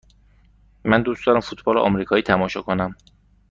من دوست دارم فوتبال آمریکایی تماشا کنم.